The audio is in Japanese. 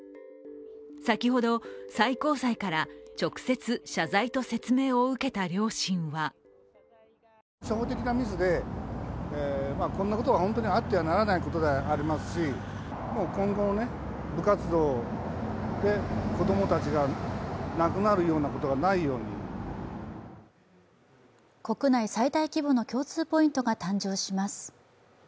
先ほど、最高裁から直接謝罪と説明を受けた両親は国内最大規模の共通ポイントが誕生します。